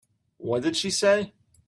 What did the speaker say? What did she say?